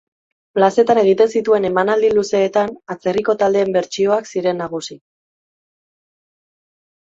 Plazetan egiten zituen emanaldi luzeetan atzerriko taldeen bertsioak ziren nagusi.